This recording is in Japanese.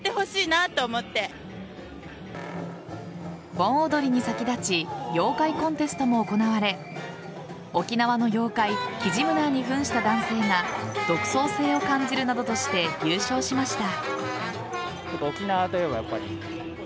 盆踊りに先立ち妖怪コンテストも行われ沖縄の妖怪キジムナーに扮した男性が独創性を感じるなどとして優勝しました。